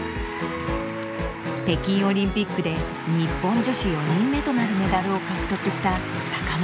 北京オリンピックで日本女子４人目となるメダルを獲得した坂本。